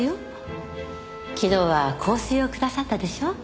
昨日は香水をくださったでしょ？